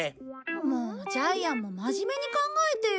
もうジャイアンも真面目に考えてよ！